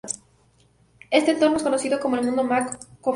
Este entorno es conocido en el mundo Mac como Cocoa.